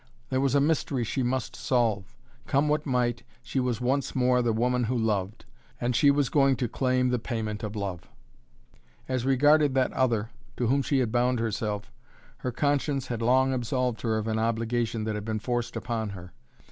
There was a mystery she must solve. Come what might, she was once more the woman who loved. And she was going to claim the payment of love! As regarded that other, to whom she had bound herself, her conscience had long absolved her of an obligation that had been forced upon her.